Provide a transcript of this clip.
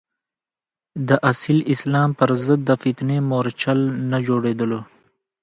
د اصیل اسلام پر ضد د فتنې مورچل نه جوړېدلو.